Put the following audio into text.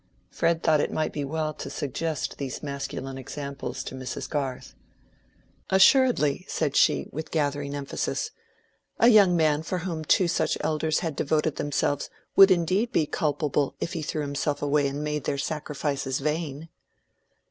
Fred thought it might be well to suggest these masculine examples to Mrs. Garth. "Assuredly," said she, with gathering emphasis. "A young man for whom two such elders had devoted themselves would indeed be culpable if he threw himself away and made their sacrifices vain."